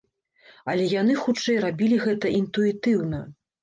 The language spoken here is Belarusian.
Але яны, хутчэй, рабілі гэта інтуітыўна.